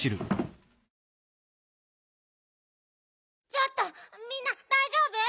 ちょっとみんなだいじょうぶ？